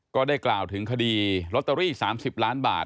ก็ได้กล่าวถึงคดีลอตเตอรี่๓๐ล้านบาท